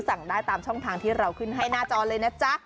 สั่งได้ตามช่องทางที่เราขึ้นให้หน้าจอเลยนะจ๊ะ